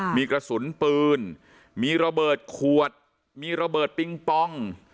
มีกระสุนปืนมีระเบิดขวดมีระเบิดปิงปอง